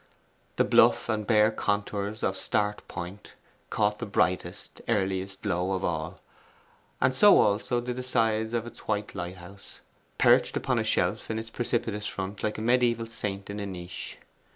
The bluff and bare contours of Start Point caught the brightest, earliest glow of all, and so also did the sides of its white lighthouse, perched upon a shelf in its precipitous front like a mediaeval saint in a niche.